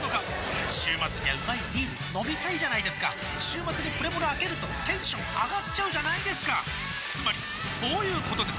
週末にはうまいビール飲みたいじゃないですか週末にプレモルあけるとテンション上がっちゃうじゃないですかつまりそういうことです！